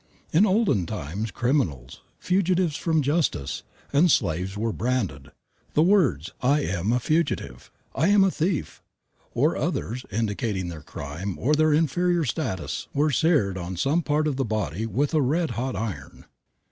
In olden times criminals, fugitives from justice, and slaves were branded. The words, "I am a fugitive," "I am a thief," or others indicating their crime or their inferior status were seared on some part of the body with a red hot iron.